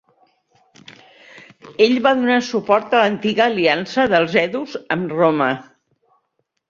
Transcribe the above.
Ell va donar suport a l'antiga aliança dels hedus amb Roma.